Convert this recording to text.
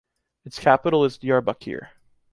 Its capital is Diyarbakir.